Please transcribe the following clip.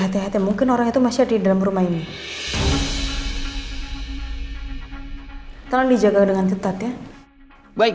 hati hati mungkin orang itu masih ada di dalam rumah ini tolong dijaga dengan ketat ya baik